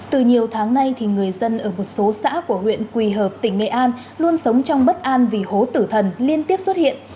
từ nhiều tháng nay người dân ở một số xã của huyện quỳ hợp tỉnh nghệ an luôn sống trong bất an vì hố tử thần liên tiếp xuất hiện